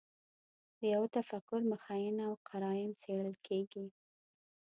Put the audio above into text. د یوه تفکر مخینه او قراین څېړل کېږي.